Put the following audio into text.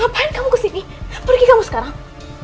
ngapain kamu kesini pergi kamu sekarang